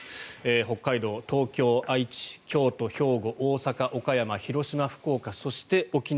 北海道、東京、愛知、京都、兵庫大阪、岡山、広島、福岡そして、沖縄。